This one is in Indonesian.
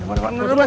lari kemarin man